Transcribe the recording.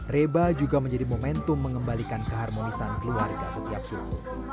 reba juga menjadi momentum mengembalikan keharmonisan keluarga setiap subuh